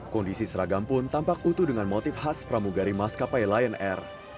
kondisi seragam pun tampak utuh dengan motif khas pramugari maskapai lion air